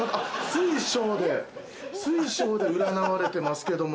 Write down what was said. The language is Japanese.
水晶で占われてますけども。